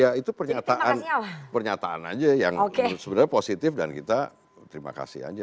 ya itu pernyataan aja yang sebenarnya positif dan kita terima kasih aja